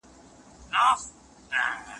سره یو نه شوې پښتونه! ستا همدا زخمِ ناسور دی